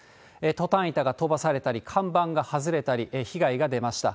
トタン板が飛ばされたり、看板が外れたり、被害が出ました。